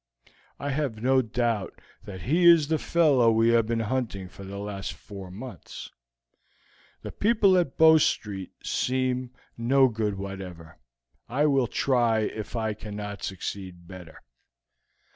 I have no doubt that he is the fellow we have been hunting for the last four months. The people at Bow Street seem no good whatever; I will try if I cannot succeed better."